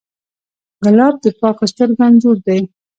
ګلاب د پاکو سترګو انځور دی.